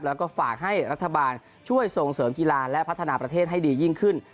แล้วก็ฝากให้รัฐบาลช่วยส่งเสริมกีฬาและพัฒนาประเทศให้ดียิ่งขึ้น